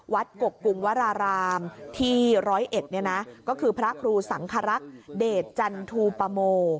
กกุมวรารามที่๑๐๑ก็คือพระครูสังครักษ์เดชจันทูปโม